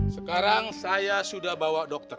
sekarang saya sudah bawa dokter